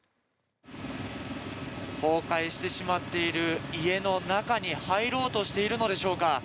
崩壊してしまっている家の中に入ろうとしているのでしょうか。